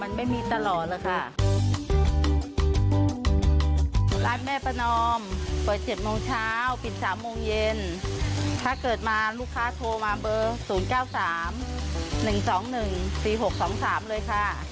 อันนี้เราอยู่กับทะเลเลยนะ